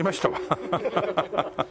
ハハハハ。